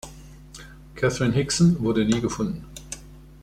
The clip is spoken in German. Kathryn Hickson wurde nie gefunden.